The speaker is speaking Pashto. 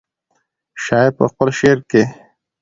شاعر په خپل شعر کې.